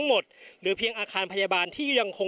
พร้อมด้วยผลตำรวจเอกนรัฐสวิตนันอธิบดีกรมราชทัน